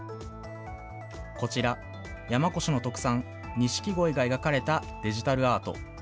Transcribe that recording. こちら、山古志の特産、ニシキゴイが描かれたデジタルアート。